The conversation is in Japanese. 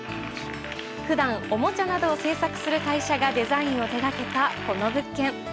普段、おもちゃなどを制作する会社がデザインを手掛けた、この物件。